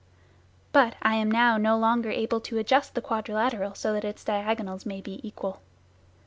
But I am now no longer able to adjust the quadrilateral so that its diagonals may be equal.